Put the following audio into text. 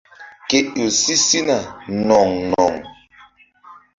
Ke ƴo si sina no̧ŋ no̧ŋ.